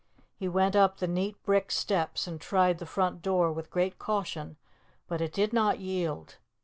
He went up the neat brick steps and tried the front door with great caution. But it did not yield.